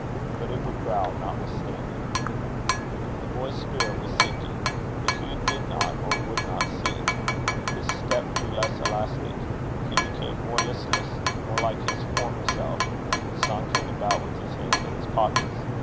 But it would growl notwithstanding. The boy's spirit was sinking; but Hugh did not or would not see it. His step grew less elastic. He became more listless, more like his former self sauntering about with his hands in his pockets.